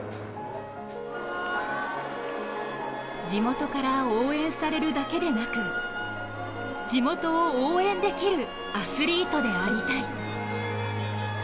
地元から応援されるだけでなく地元を応援できるアスリートでありたい。